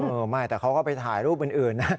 เออไม่แต่เขาก็ไปถ่ายรูปอื่นนะ